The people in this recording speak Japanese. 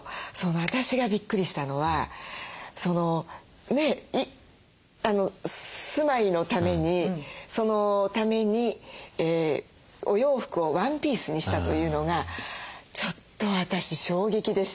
私がびっくりしたのは住まいのためにそのためにお洋服をワンピースにしたというのがちょっと私衝撃でした。